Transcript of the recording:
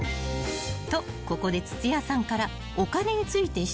［とここで土屋さんから］